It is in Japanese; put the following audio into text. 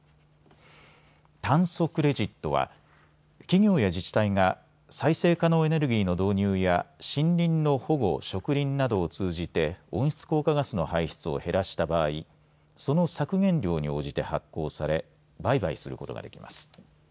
炭素クレジットは企業や自治体が再生可能エネルギーの導入や森林の保護、植林などを通じて温室効果ガスの排出を減らした場合、その削減量に応じて発行され売買することができます。